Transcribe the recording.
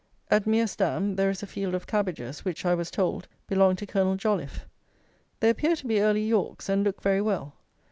At Mearstam there is a field of cabbages, which, I was told, belonged to Colonel Joliffe. They appear to be early Yorks, and look very well.